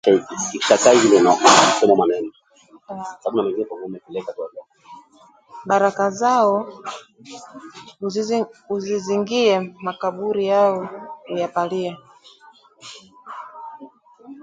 Baraka zao uzizingie, makaburi yao uyapalilie